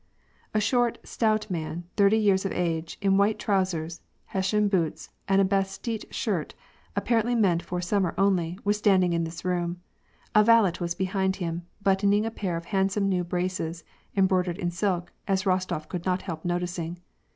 A short, stout man, thirty years of age, in white trousers, Hessian boots, and a batiste shirt, apparently meant for sum mer only, was standing in this room ; a valet was behind him, buttoning a pair of handsome new braces, embroidered in silk, as Bostof could not help noticing.